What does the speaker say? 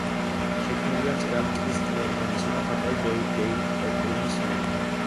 შექმნილია მწერალი კრის კლერმონისა და მხატვარი დეივ კოკრუმის მიერ.